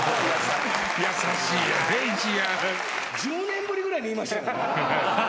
１０年ぶりぐらいに言いましたよ。